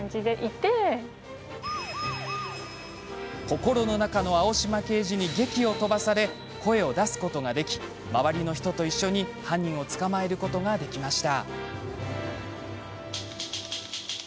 心の中の青島刑事にげきを飛ばされ声を出すことができ周りの人と一緒に、犯人を捕まえることができたんです。